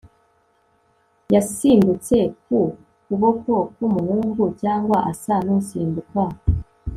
Yasimbutse ku kuboko kumuhungu cyangwa asa nusimbuka